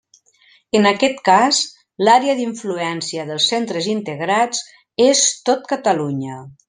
En aquest cas, l'àrea d'influència dels centres integrats és tot Catalunya.